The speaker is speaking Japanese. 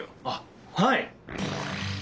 あっはい！